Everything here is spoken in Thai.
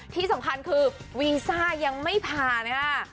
ที่สำคัญคือวีซ่ายังไม่ผ่านนะคะ